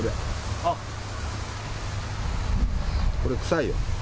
これ、臭いよ。